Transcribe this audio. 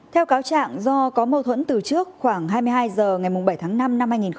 theo cáo trạng do có mâu thuẫn từ trước khoảng hai mươi hai giờ ngày bảy tháng năm năm hai nghìn một mươi chín